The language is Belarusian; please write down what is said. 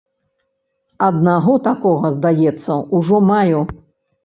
Аднаго такога, здаецца, ужо маю.